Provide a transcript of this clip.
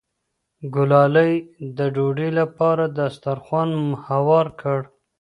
ګلالۍ د ډوډۍ لپاره دسترخوان هوار کړ.